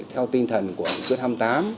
theo tinh thần của kết hai mươi tám